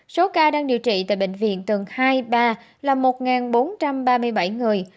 số ca đang điều trị tại bệnh viện tầng hai ba là một bốn trăm ba mươi bảy người